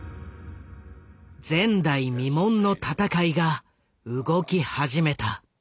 前代未聞の戦いが動き始めた。